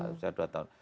usia dua tahun